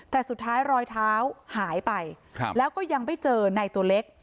แต่สุดท้ายรอยเท้าหายไปแล้วก็ยังไม่เจอในตัวเล็ก